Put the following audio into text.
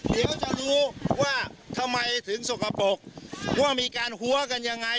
เดี๋ยวจะรู้ว่าทำไมถึงสกปรกว่ามีการหัวกันยังไง